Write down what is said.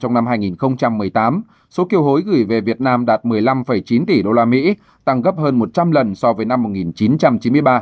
trong năm hai nghìn một mươi tám số kiều hối gửi về việt nam đạt một mươi năm chín tỷ usd tăng gấp hơn một trăm linh lần so với năm một nghìn chín trăm chín mươi ba